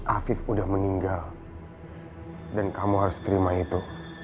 afif udah meninggal dan kamu harus terima itu